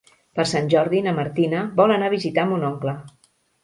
Per Sant Jordi na Martina vol anar a visitar mon oncle.